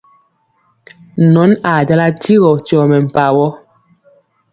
Nɔn ajala tigɔ tyɔ mɛmpawɔ.